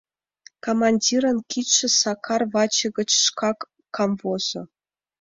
Командирын кидше Сакар ваче гыч шкак камвозо.